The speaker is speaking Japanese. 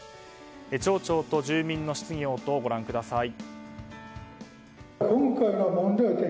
町長と住民の質疑応答をご覧ください。